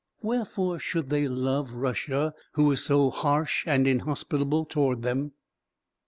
Wherefore should they love Russia, who is so harsh and inhospitable toward them?